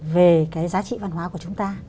về cái giá trị văn hóa của chúng ta